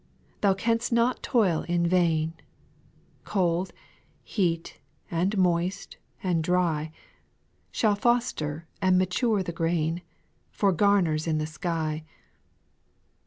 6. Thou can'st not toil in vain ; Cold, heat, and moist, and dry. Shall foster and mature the grain. For gamers in the sky.